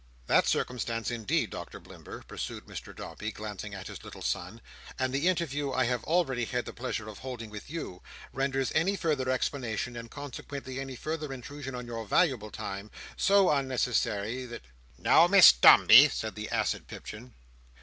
"That circumstance, indeed, Doctor Blimber," pursued Mr Dombey, glancing at his little son, "and the interview I have already had the pleasure of holding with you, renders any further explanation, and consequently, any further intrusion on your valuable time, so unnecessary, that—" "Now, Miss Dombey!" said the acid Pipchin.